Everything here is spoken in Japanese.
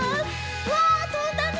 うわとんだね。